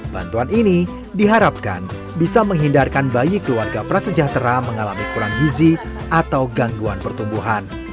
bantuan ini diharapkan bisa menghindarkan bayi keluarga prasejahtera mengalami kurang gizi atau gangguan pertumbuhan